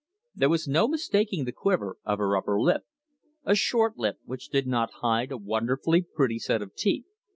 There was no mistaking the quiver of her upper lip a short lip which did not hide a wonderfully pretty set of teeth.